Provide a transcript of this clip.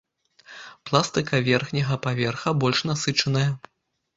Пластыка верхняга паверха больш насычаная.